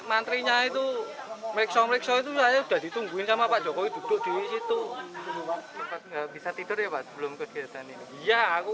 mantrinya itu melek sorek so itu saya udah ditungguin sama pak jokowi duduk disitu